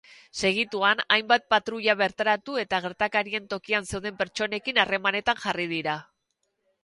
Segituan, hainbat patruila bertaratu eta gertakarien tokian zeuden pertsonekin harremanetan jarri dira.